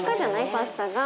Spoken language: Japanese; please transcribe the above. パスタが。